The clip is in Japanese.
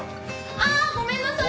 ああ！ごめんなさい。